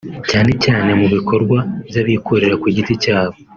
cyane cyane mu bikorwa by’abikorera ku giti cyabo